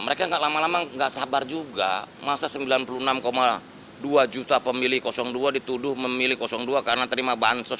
mereka gak lama lama nggak sabar juga masa sembilan puluh enam dua juta pemilih dua dituduh memilih dua karena terima bansos